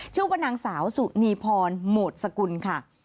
ชื่อว่านางสาวสุนีพรโหมดสกุลค่ะ